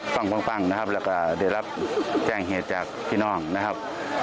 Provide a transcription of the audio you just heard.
ครับพรั่งเปล่าเดี๋ยวยังแจ้งเหตุจากพี่น้องนะครับ